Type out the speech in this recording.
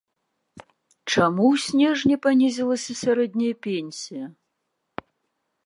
Чаму у снежні панізілася сярэдняя пенсія?